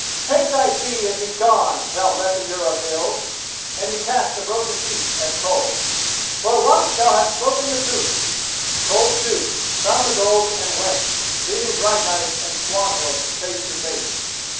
Take thy fee and begone, thou messenger of ill," and he cast the broken piece at Koll. "For once thou hast spoken the truth." Koll stooped, found the gold and went, leaving Brighteyes and Swanhild face to face.